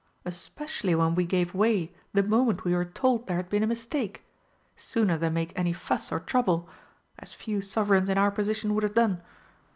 Especially when we gave way the moment we were told there had been a mistake sooner than make any fuss or trouble as few Sovereigns in our position would have done!